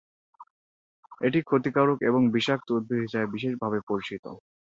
এটি ক্ষতিকারক এবং বিষাক্ত উদ্ভিদ হিসেবে বিশেষভাবে পরিচিত।